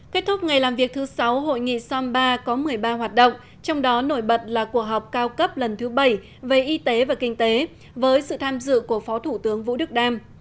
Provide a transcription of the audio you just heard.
kết thúc ngày làm việc thứ sáu hội nghị som ba có một mươi ba hoạt động trong đó nổi bật là cuộc họp cao cấp lần thứ bảy về y tế và kinh tế với sự tham dự của phó thủ tướng vũ đức đam